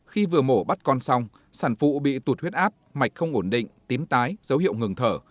khi vừa mổ bắt con xong sản phụ bị tụt huyết áp mạch không ổn định tím tái dấu hiệu ngừng thở